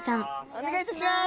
お願いいたします。